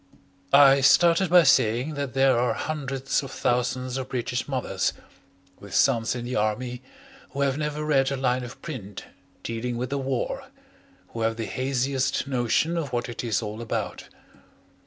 I started by saying that there are hundreds of thousands of British mothers, with sons in the Army, who have never read a line of print dealing with the war, who have the haziest notion of what it is all about.